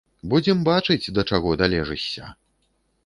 Будзем бачыць, да чаго далежышся.